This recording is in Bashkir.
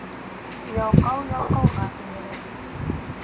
Ялҡау ялҡауға эйәрер.